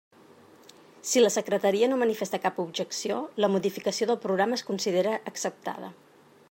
Si la Secretaria no manifesta cap objecció, la modificació del programa es considera acceptada.